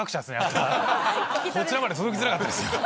こちらまで届きづらかったですよ。